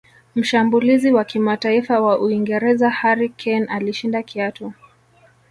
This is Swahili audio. mshambulizi wa kimataifa wa uingereza harry kane alishinda kiatu